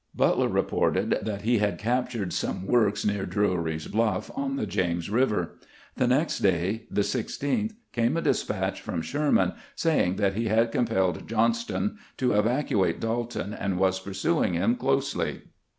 Butler reported that he had captured some works near Drewry's Bluff, on the James River. The next day, the 16th, came a despatch from Sherman saying that he had compelled Johnston to evacuate Dalton and was pursuing him closely.